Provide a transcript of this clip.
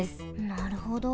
なるほど。